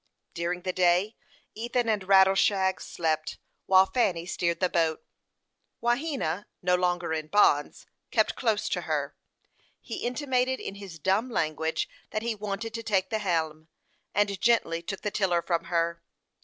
During the day, Ethan and Rattleshag slept, while Fanny steered the boat. Wahena, no longer in bonds, kept close to her. He intimated in his dumb language that he wanted to take the helm, and gently took the tiller from her.